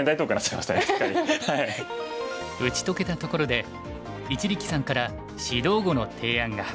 打ち解けたところで一力さんから指導碁の提案が。